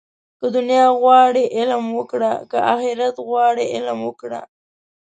که دنیا غواړې، علم وکړه. که آخرت غواړې علم وکړه